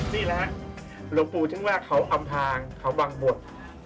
นี่นะครับหลวงปู่ถึงว่าเขาอำพางเขาวางบท